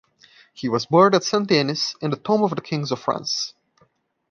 He was buried at Saint-Denis in the tomb of the Kings of France.